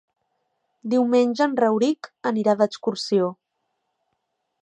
Diumenge en Rauric anirà d'excursió.